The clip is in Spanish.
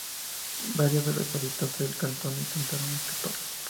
Varios de los habitantes del cantón intentaron escapar.